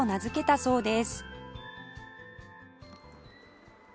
そうです。